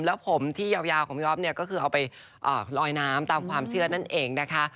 แล้วผมที่ยาวของพี่อ๊อฟเนี่ยก็คือเอาไปลอยน้ำตามความเชื่อนั่นเองนะคะ